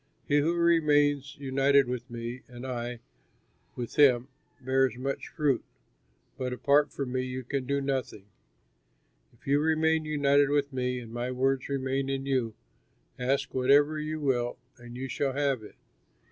He who remains united with me and I with him bears much fruit, but apart from me you can do nothing. "If you remain united with me and my words remain in you, ask whatever you will and you shall have it.